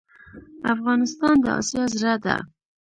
افغانستان د اسیا زړه ده